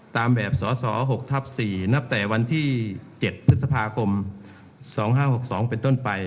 ตามแบบสส๖ทับ๔นับแต่วันที่๗พฤษภาคม๒๕๖๒เป็นต้นไป